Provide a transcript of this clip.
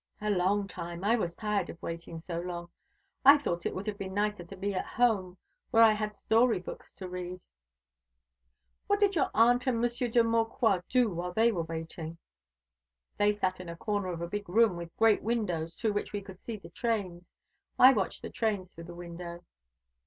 "A long time. I was tired of waiting so long. I thought it would have been nicer to be at home, where I had story books to read." "What did your aunt and Monsieur de Maucroix do while they were waiting?" "They sat in a corner of a big room, with great windows through which we could see the trains. I watched the trains through the window."